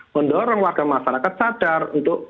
mendorong warga masyarakat sadar untuk